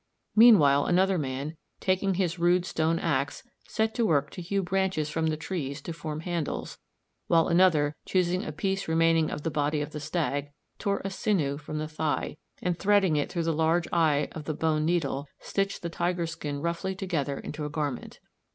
Meanwhile another man, taking his rude stone axe, set to work to hew branches from the trees to form handles, while another, choosing a piece remaining of the body of the stag, tore a sinew from the thigh, and threading it through the large eye of the bone needle, stitched the tiger's skin roughly together into a garment.